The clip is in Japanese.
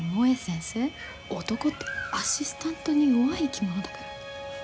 男ってアシスタントに弱い生き物だから。